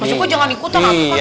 mas joko jangan ikut